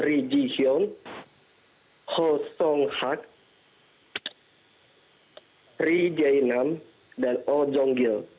ri ji hyun ho song hak ri jae nam dan oh jong gil